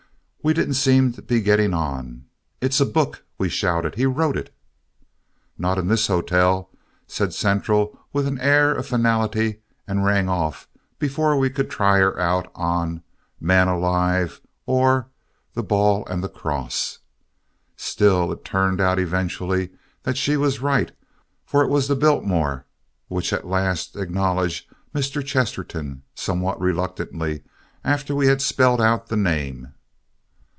We didn't seem to be getting on. "It's a book," we shouted. "He wrote it." "Not in this hotel," said central with an air of finality and rang off before we could try her out on "Man Alive" or "The Ball and the Cross." Still, it turned out eventually that she was right for it was the Biltmore which at last acknowledged Mr. Chesterton somewhat reluctantly after we had spelled out the name.